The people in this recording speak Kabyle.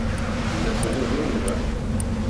Anda telliḍ imir-a?